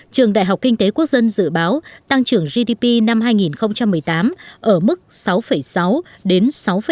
trường đại học kinh tế quốc dân dự báo tăng trưởng gdp năm hai nghìn một mươi tám ở mức sáu sáu đến sáu năm